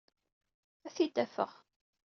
Ad t-id-afeɣ.